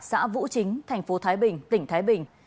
xã vũ chính tp thái bình tỉnh thái bình